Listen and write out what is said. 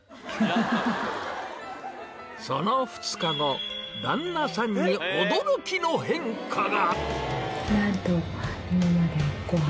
その２日後旦那さんに驚きの変化が！